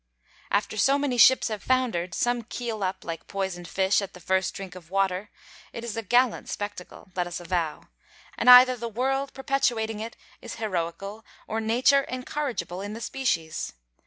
After so many ships have foundered, some keel up, like poisoned fish, at the first drink of water, it is a gallant spectacle, let us avow; and either the world perpetuating it is heroical or nature incorrigible in the species.